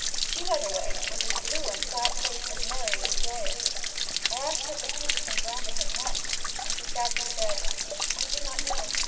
She, by the way, was as blue and sad faced as Mary was joyous. I asked her if the princess and Brandon had met, and she sadly said: "I do not know.